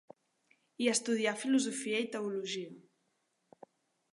Hi estudià filosofia i teologia.